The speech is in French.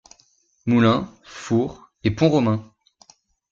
Moulin, four et pont romain.